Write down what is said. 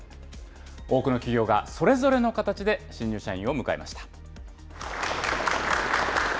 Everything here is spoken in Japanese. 多くの企業がそれぞれの形で新入社員を迎えました。